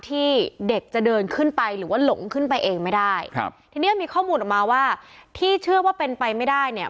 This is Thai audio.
ที่เด็กจะเดินขึ้นไปหรือว่าหลงขึ้นไปเองไม่ได้ครับทีเนี้ยมีข้อมูลออกมาว่าที่เชื่อว่าเป็นไปไม่ได้เนี่ย